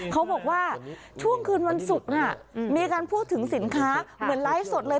เขาบอกว่าช่วงคืนวันศุกร์น่ะมีการพูดถึงสินค้าเหมือนไลฟ์สดเลย